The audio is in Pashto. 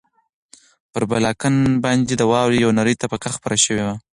پر بالکن باندې د واورې یوه نری طبقه خپره شوې وه.